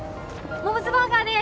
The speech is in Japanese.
モモズバーガーです